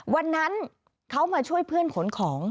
วันนั้นเขามาช่วยเพื่อนขนของ